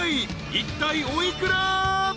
［いったいお幾ら？］